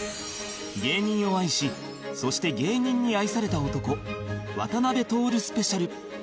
芸人を愛しそして芸人に愛された男渡辺徹スペシャル